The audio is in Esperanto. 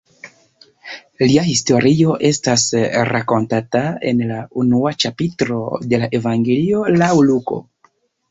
Lia historio estas rakontata en la unua ĉapitro de la Evangelio laŭ Luko.